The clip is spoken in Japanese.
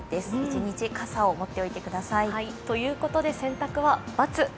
一日、傘を持っておいてください。ということで洗濯は×。